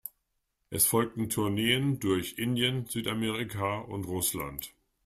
Es folgten Tourneen durch Indien, Südamerika und Russland.